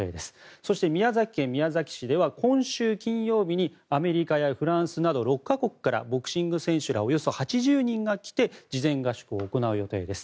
そして、宮崎県宮崎市では今週金曜日にアメリカやフランスなど６か国からボクシング選手らおよそ８０人が来て事前合宿を行う予定です。